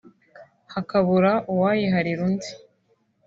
hakabura uwayiharira undi